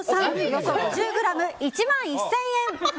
およそ５０ｇ、１万１０００円。